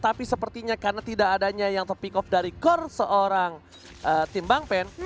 tapi sepertinya karena tidak adanya yang topick off dari core seorang tim bang pen